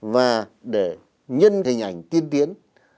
và để nhân hình ảnh tiên tiến